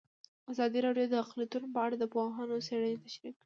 ازادي راډیو د اقلیتونه په اړه د پوهانو څېړنې تشریح کړې.